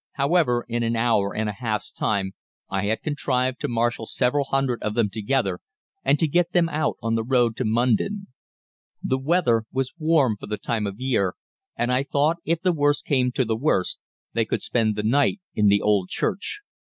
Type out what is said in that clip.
However, in an hour and a half's time I had contrived to marshal several hundred of them together, and to get them out on the road to Mundon. The weather was warm for the time of the year, and I thought, if the worst came to the worst, they could spend the night in the old church.